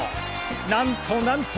なんとなんと！